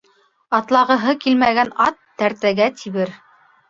Атлағыһы килмәгән ат тәртәгә тибер.